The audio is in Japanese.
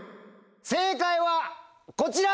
正解はこちら！